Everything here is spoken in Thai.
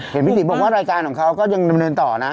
เห็นพี่ตีบอกว่ารายการของเขาก็ยังดำเนินต่อนะ